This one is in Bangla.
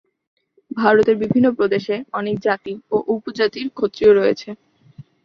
ভারতের বিভিন্ন প্রদেশে অনেক জাতি ও উপজাতির ক্ষত্রিয় রয়েছে।